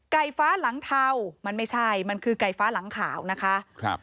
ฟ้าหลังเทามันไม่ใช่มันคือไก่ฟ้าหลังขาวนะคะครับ